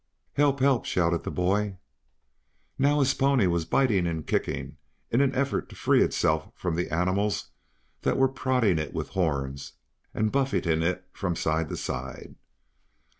"Help! Help!" shouted the boy. Now his pony was biting and kicking in an effort to free itself from the animals that were prodding it with horns and buffeting it from side to side.